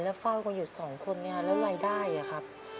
แล้วเฝ้าคนอยู่๒คนนี้แล้วรายได้อ่ะครับ